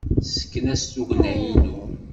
Tessken-as tugna-inu.